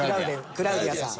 クラウディアさん。